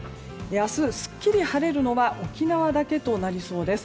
明日、すっきり晴れるのは沖縄だけとなりそうです。